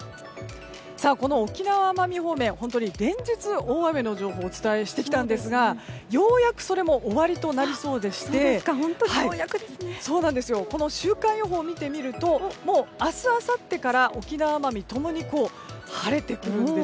この沖縄、奄美方面連日、大雨の情報をお伝えしてきたんですがようやくそれも終わりとなりそうでしてこの週間予報を見てみるともう明日、あさってから沖縄、奄美は共に晴れてくるんです。